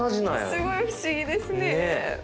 すごい不思議ですね。